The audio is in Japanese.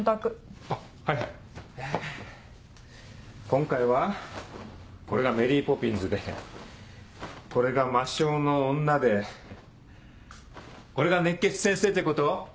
今回はこれがメリー・ポピンズでこれが魔性の女でこれが熱血先生ってこと？